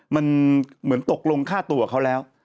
มันเหมือนตกลงฆ่าตัวเขาแล้ว